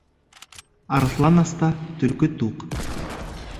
Арыҫлан аста төлкө туҡ.